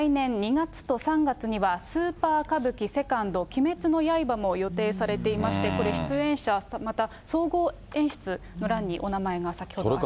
また来年２月と３月にはスーパー歌舞伎セカンド鬼滅の刃も予定されていまして、これ、出演者、また総合演出の欄にお名前、先ほどありました。